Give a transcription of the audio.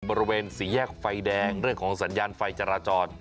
บริเวณสี่แยกไฟแดงเรื่องของสัญญาณไฟจราจร